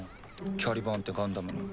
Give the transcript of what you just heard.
キャリバーンってガンダムに。